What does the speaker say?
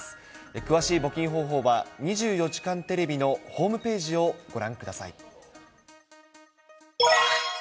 詳しい募金方法は、２４時間テレビのホームページをご覧ください。